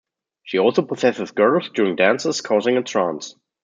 She also possesses girls during dances, causing a trance.